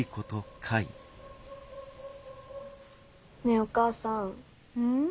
ねえお母さぁーん。